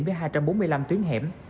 với hai trăm bốn mươi năm tuyến hẻm